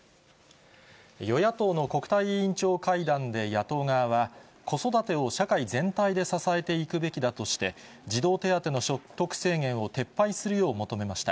与野党の国対委員長会談で野党側は、子育てを社会全体で支えていくべきだとして、児童手当の所得制限を撤廃するよう求めました。